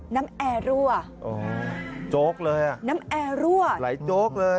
น้ำแอร์รั่วน้ำแอร์รั่วไหลโจ๊กเลย